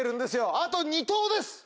あと２答です。